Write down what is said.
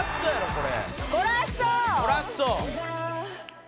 これ。